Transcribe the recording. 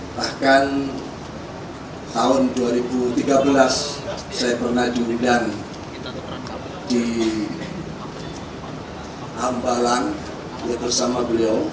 bahkan tahun dua ribu tiga belas saya pernah diundang di hambalang bersama beliau